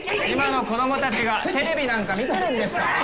今の子どもたちがテレビなんか見てるんですか？